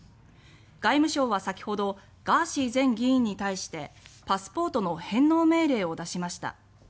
外務省は先ほどガーシー前議員に対してパスポートの返納命令を出しました。